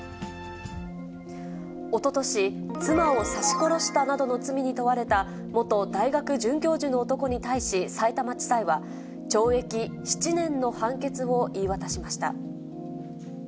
おととし、妻を刺殺したなどの罪に問われた、元大学准教授の男に対し、さいたま地裁は、懲役７年の判決を言い渡しました。